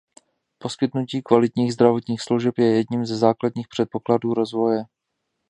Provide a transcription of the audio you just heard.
Poskytnutí kvalitních zdravotních služeb je jedním ze základních předpokladů rozvoje.